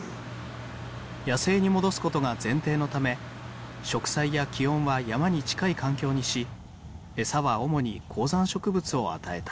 野生に戻すことが前提のため植栽や気温は山に近い環境にしえさは主に高山植物を与えた。